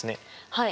はい。